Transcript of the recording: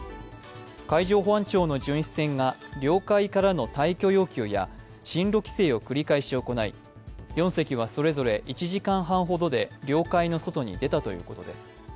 海上保安庁の巡視船が領海からの退去要求や進路規制を繰り返し行い、４隻はそれぞれ１時間半ほどで領海の外に出たということです。